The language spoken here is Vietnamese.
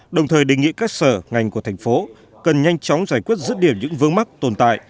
đồng thời đề nghị các sở ngành của thành phố cần nhanh chóng giải quyết rứt điểm những vương mắc tồn tại